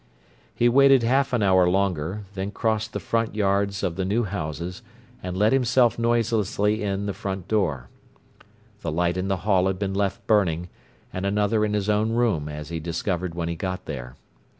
He waited half an hour longer, then crossed the front yards of the new houses and let himself noiselessly in the front door. The light in the hall had been left burning, and another in his own room, as he discovered when he got there.